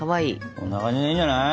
こんな感じでいいんじゃない？